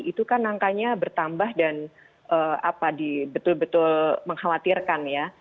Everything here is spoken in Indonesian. itu kan angkanya bertambah dan betul betul mengkhawatirkan ya